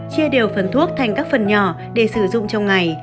chia đều phần thuốc thành các phần nhỏ để sử dụng trong ngày